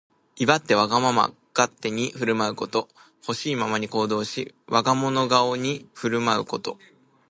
威張ってわがまま勝手に振る舞うこと。ほしいままに行動し、我が物顔に振る舞うこと。